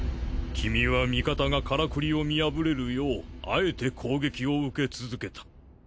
君は味方がカラクリを見破れるようあえて攻撃を受け続けた。